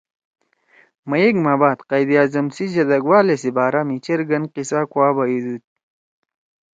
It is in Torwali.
مئیک ما بعد قائداعظم سی جدَگ والے سی بارا می چیرگن قصہ کُوا بیُودُود